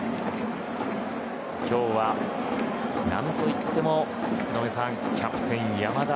今日は何といっても福留さん、キャプテン山田。